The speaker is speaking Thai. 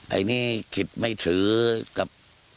ไอ้นี่คิดมายตื๋อกับ